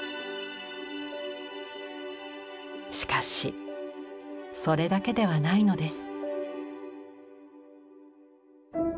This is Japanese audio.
しかしそれだけではないのです。